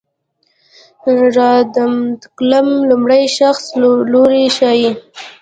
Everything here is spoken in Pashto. را د متکلم لومړی شخص لوری ښيي.